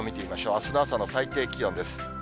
あすの朝の最低気温です。